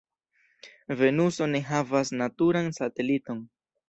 Venuso ne havas naturan sateliton.